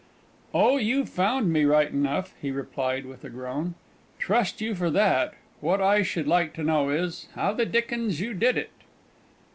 "Oh, you've found me right enough," he replied, with a groan "trust you for that! What I should like to know is, how the dickens you did it?"